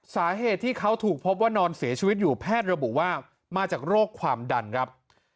สาเหตุที่เขาถูกพบว่านอนเสียชีวิตอยู่แพทย์ระบุว่ามาจากโรคความดันครับ